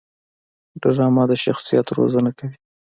ډرامه د شخصیت روزنه کوي